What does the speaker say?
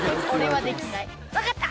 わかった！